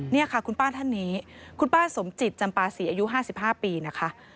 นี่ค่ะคุณป้าท่านนี้คุณป้าสมจิตจำปาศรีอายุ๕๕ปีนะคะ